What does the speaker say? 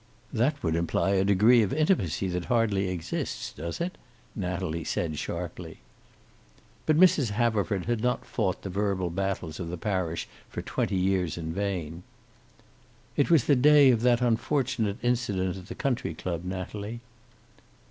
"That would imply a degree of intimacy that hardly exists, does it?" Natalie said, sharply. But Mrs. Haverford had not fought the verbal battles of the parish for twenty years in vain. "It was the day of that unfortunate incident at the country club, Natalie."